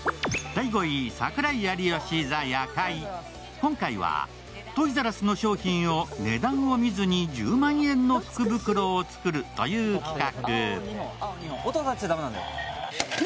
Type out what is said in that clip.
今回はトイザらスの商品を値段を見ずに１０万円の福袋を作るという企画。